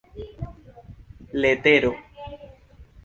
letero